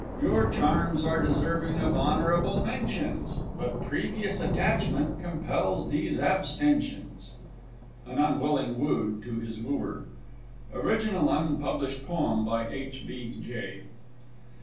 Your Charms are deserving of honourable mentions But previous attachment compels these abstentions! "AN UNWILLING WOOED TO HIS WOOER." _Original unpublished Poem by H. B. J.